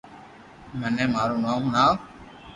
مني مارو نوم ھڻاو